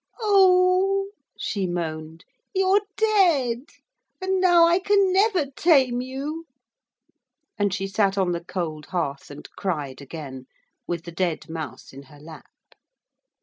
'Oh,' she moaned, 'you're dead, and now I can never tame you'; and she sat on the cold hearth and cried again, with the dead mouse in her lap.